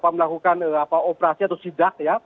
melakukan operasi atau sidak